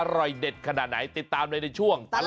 อร่อยเด็ดขนาดไหนติดตามเลยในช่วงตลอด